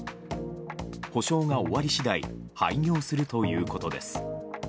補償が終わり次第廃業するということです。